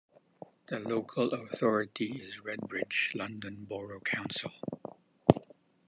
The local authority is Redbridge London Borough Council.